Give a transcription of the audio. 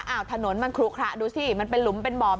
อ้าวถนนมันคลุกคละดูสิมันเป็นหลุมเป็นบ่อแบบนั้น